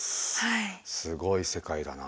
すごい世界だな。